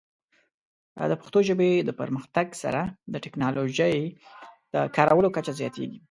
د پښتو ژبې د پرمختګ سره، د ټیکنالوجۍ د کارولو کچه زیاتېږي.